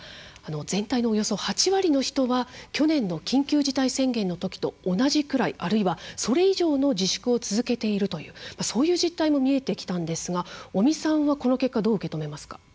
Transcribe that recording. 全体のおよそ８割の人は去年の緊急事態宣言のときと同じくらいあるいはそれ以上の自粛を続けているというそういう実態も見えてきたんですが尾身さんはこの結果どう受け止めますか。